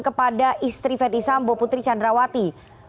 kepada istri verdi sambo putri candrawati